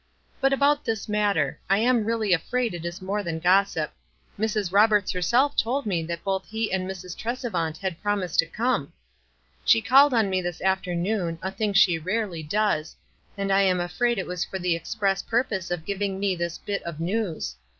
"But about this matter. I am really afraid it is more than gossip. Mrs. Roberts herself told me that, both he and Mrs. Tresevant had prom ised to come. She called on me this afternoon, a thing she rarely does, and I am afraid it wa8 34* WISE AND OTHERWISE. 247 for the express purpose of giving me this bit of news.